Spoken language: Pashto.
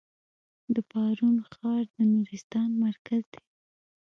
د پارون ښار د نورستان مرکز دی